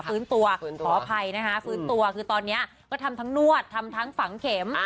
ตัวขออภัยนะคะฟื้นตัวคือตอนนี้ก็ทำทั้งนวดทำทั้งฝังเข็ม